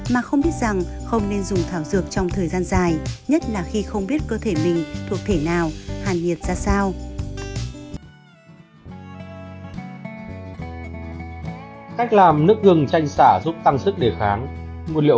mà không biết rằng không nên dùng thảo dược trong thời gian dài nhất là khi không biết cơ thể mình thuộc thể nào hàn nhiệt ra sao